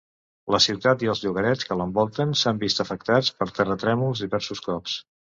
La ciutat i els llogarrets que l'envolten s'han vist afectats per terratrèmols diversos cops.